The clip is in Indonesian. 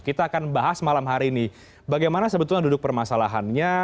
kita akan bahas malam hari ini bagaimana sebetulnya duduk permasalahannya